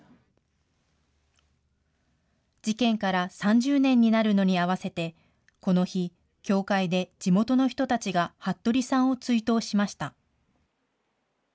事件から３０年になるのに合わせて、この日、教会で地元の人たちが服部さんを追悼しました。